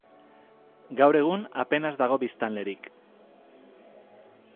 Gaur egun, apenas dago biztanlerik.